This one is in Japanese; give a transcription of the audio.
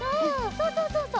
そうそうそうそう。